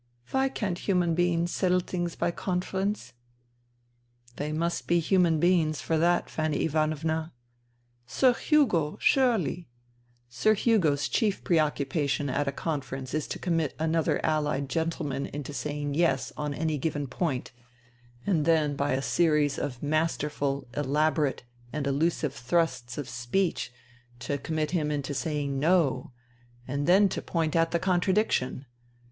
" Why can't human beings settle things by conference ?"" They must be human beings for that, Fanny Ivanovna." " Sir Hugo surely "" Sir Hugo's chief preoccupation at a conference is to commit another allied gentleman into saying ' Yes ' on any given point, and then by a series of 182 FUTILITY masterful, elaborate and elusive thrusts of speech to commit him into saying ' No '; and then to point out the contradiction.